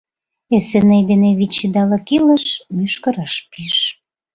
Эсеней дене вич идалык илыш — мӱшкыр ыш пиж.